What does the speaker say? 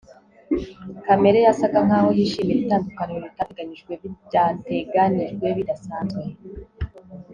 Kamere yasaga nkaho yishimira itandukaniro ritateganijwe bidateganijwe bidasanzwe